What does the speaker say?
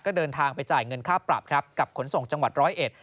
ก็เดินทางไปจ่ายเงินค่าปรับกับขนสงฆ์จังหวัด๑๐๑